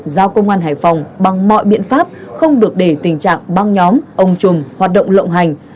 giao công an hải phòng bằng mọi biện pháp không được để tình trạng băng nhóm ông trùng hoạt động lộng hành